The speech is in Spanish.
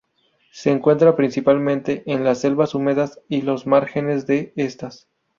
Se encuentra principalmente en las selvas húmedas y los márgenes de estas.